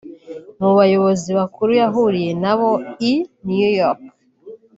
Mu bayobozi bakuru yahuriye na bo i New York